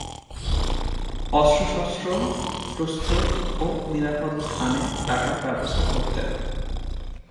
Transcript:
অস্ত্রশস্ত্র প্রস্তুত ও নিরাপদ স্থানে রাখার ব্যবস্থা করতেন।